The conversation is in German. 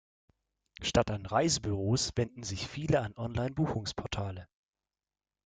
Statt an Reisebüros wenden sich viele an Online-Buchungsportale.